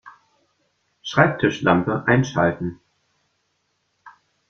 Schreibtischlampe einschalten